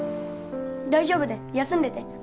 大丈夫だよ休んでて